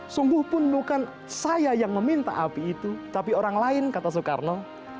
sungguh pun bukan saya yang meminta api itu tapi orang lain kata soekarno